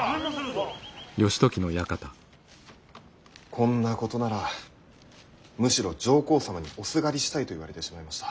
こんなことならむしろ上皇様におすがりしたいと言われてしまいました。